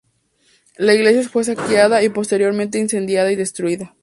La iglesia fue saqueada, y posteriormente incendiada y destruida.